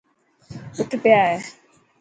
اَٺ ڀيا هي.